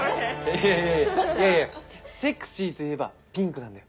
いやいやセクシーといえばピンクなんだよ。